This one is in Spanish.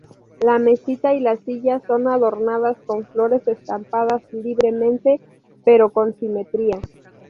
La mesita y las sillas son adornadas con flores estampadas libremente, pero con simetría.